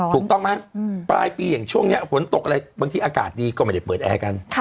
ถูกต้องไหมปลายปีอย่างช่วงนี้ฝนตกอะไรบางทีอากาศดีก็ไม่ได้เปิดแอร์กัน